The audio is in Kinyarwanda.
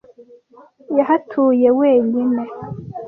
Yahatuye wenyine.